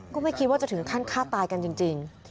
ก็ไม่คิดว่าจะถึงขั้นฆ่าตายกันจริง